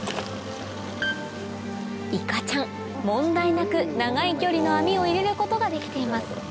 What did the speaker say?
いかちゃん問題なく長い距離の網を入れることができています